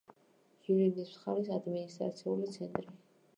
ჟილინის მხარის ადმინისტრაციული ცენტრი.